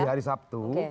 di hari sabtu